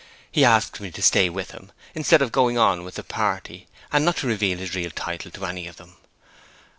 He asked me to stay with him, instead of going on with my party, and not reveal his real title to any of them.